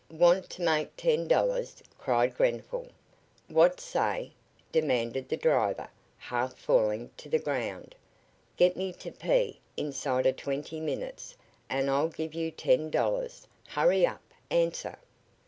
"Want to make ten dollars?" cried Grenfall. "What say?" demanded the driver, half falling to the ground. "Get me to P inside of twenty minutes, and I'll give you ten dollars. Hurry up! Answer!"